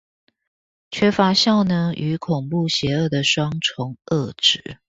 缺乏效能與恐怖邪惡的雙重惡質